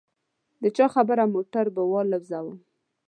د چا خبره موټر به والوزووم.